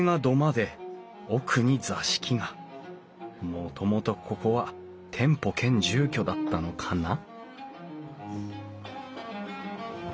もともとここは店舗兼住居だったのかな？